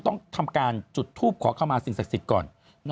ต้องทำการจุดทูปขอเข้ามาสิ่งศักดิ์สิทธิ์ก่อน